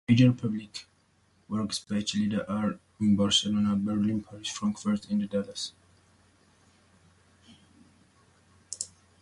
Major public works by Chillida are in Barcelona, Berlin, Paris, Frankfurt and Dallas.